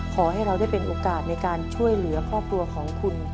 ขอให้เราได้เป็นโอกาสในการช่วยเหลือครอบครัวของคุณ